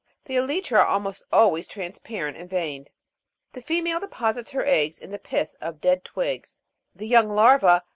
The elytra are almost always transparent and veined. The female deposits her eggs in the pith of dead twigs. The young larva?